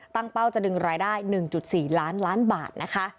เป้าจะดึงรายได้๑๔ล้านล้านบาทนะคะ